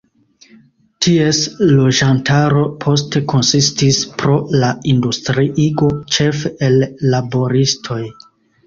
Ties loĝantaro poste konsistis, pro la industriigo, ĉefe el laboristoj.